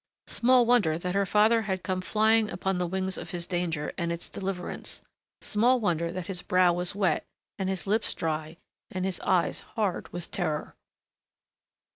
Small wonder that her father had come flying upon the wings of his danger and its deliverance, small wonder that his brow was wet and his lips dry and his eyes hard with terror.